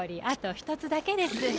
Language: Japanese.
あと１つだけです。